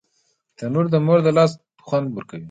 تنور د مور د لاس خوند ورکوي